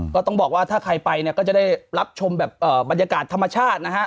ก็ต้องบอกว่าถ้าใครไปเนี่ยก็จะได้รับชมแบบบรรยากาศธรรมชาตินะฮะ